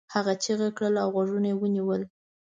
هغه چیغه کړه او غوږونه یې ونيول.